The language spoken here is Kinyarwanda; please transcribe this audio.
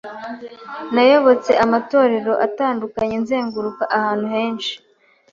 nayobotse amatorero atandukanye nzenguruka ahantu henshi